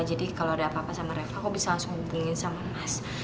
jadi kalau ada apa apa sama reva aku bisa langsung hubungin sama mas